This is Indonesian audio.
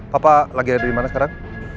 papa lagi ada dimana sekarang